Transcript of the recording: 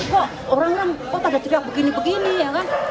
kok orang orang pada ceriak begini begini ya kan